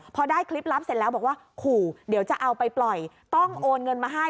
พอได้คลิปลับเสร็จแล้วบอกว่าขู่เดี๋ยวจะเอาไปปล่อยต้องโอนเงินมาให้